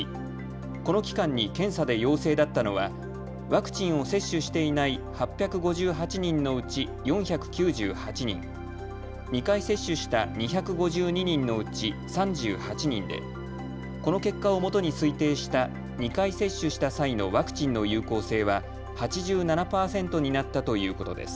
この期間に検査で陽性だったのはワクチンを接種していない８５８人のうち４９８人、２回接種した２５２人のうち３８人で、この結果をもとに推定した２回接種した際のワクチンの有効性は８７％になったということです。